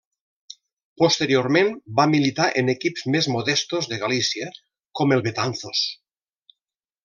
Posteriorment, va militar en equips més modestos de Galícia, com el Betanzos.